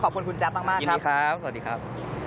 ขอบคุณคุณแจ๊บมากยินดีครับสวัสดีครับ